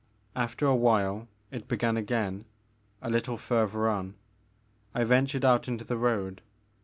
After a while it began again, a little further on. I ven tured out into the road.